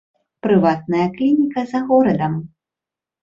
Прыватная клініка за горадам.